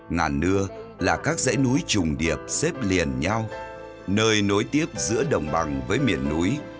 ngàn nưa là các dãy núi trùng điệp xếp liền nhau nơi nối tiếp giữa đồng bằng với miền núi